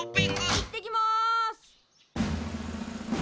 行ってきます！